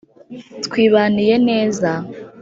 twibaniye neza